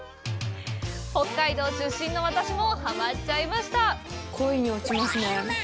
北海道出身の私もハマっちゃいました！